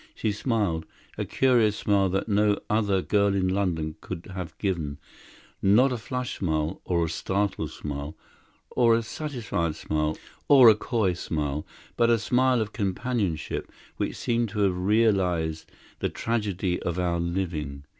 She smiled; a curious smile that no other girl in London could have given; not a flushed smile, or a startled smile, or a satisfied smile, or a coy smile; but a smile of companionship, which seemed to have realized the tragedy of our living.